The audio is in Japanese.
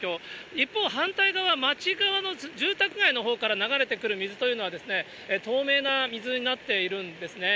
一方、反対側、町側の住宅街のほうから流れてくる水というのは、透明な水になっているんですね。